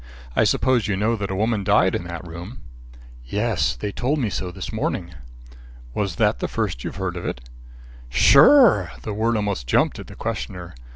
I suppose you know that a woman died in that room?" "Yes; they told me so this morning." "Was that the first you'd heard of it?" "Sure!" The word almost jumped at the questioner.